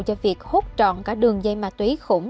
cho việc hút trọn cả đường dây ma túy khủng